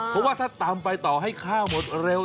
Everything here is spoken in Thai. เพราะว่าถ้าตำไปต่อให้ข้าวหมดเร็ว